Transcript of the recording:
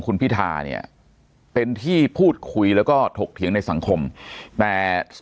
คุณพิธาเนี่ยเป็นที่พูดคุยแล้วก็ถกเถียงในสังคมแต่